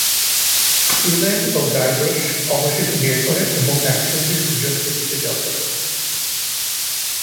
Elaine ও Guybrush অবশেষে বিয়ে করে এবং একসঙ্গে সূর্যাস্তের দিকে যাত্রা করে।